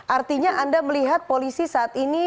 artinya anda melihat polisi saat ini